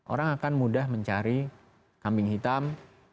orang akan mudah mencari kambing hitam